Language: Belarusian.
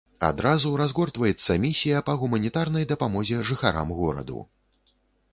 Адразу разгортваецца місія па гуманітарнай дапамозе жыхарам гораду.